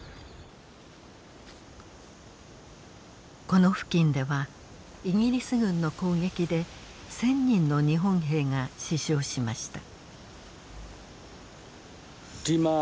この付近ではイギリス軍の攻撃で１，０００人の日本兵が死傷しました。